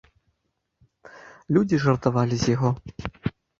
Людзі жартавалі з яго.